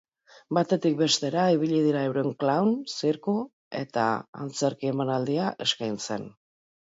Batetik bestera ibili dira euren klown, zirku eta antzerki emanaldia eskaintzen.